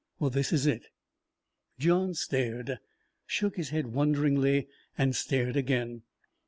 This it it." Johns stared, shook his head wonderingly and stared again.